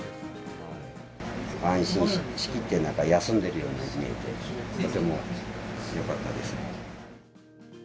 安心しきってるのか、休んでるように見えて、とてもよかったです。